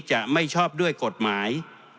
จะไม่ชอบด้วยกฎหมาย